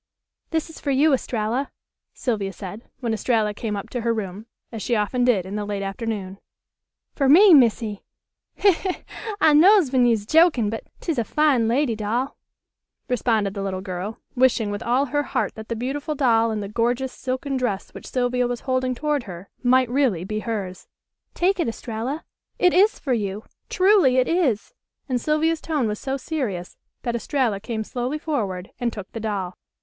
"This is for you, Estralla," Sylvia said, when Estralla came up to her room, as she often did in the late afternoon. "Fer me, Missy! He, he, I knows w'en you's jokin'; but 'tis a fine lady doll," responded the little girl, wishing with all her heart that the beautiful doll in the gorgeous silken dress which Sylvia was holding toward her might really be hers. "Take it, Estralla! It is for you. Truly it is," and Sylvia's tone was so serious that Estralla came slowly forward and took the doll.